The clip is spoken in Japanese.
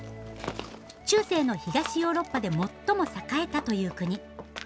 中世の東ヨーロッパで最も栄えたという国。